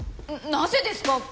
なぜですか？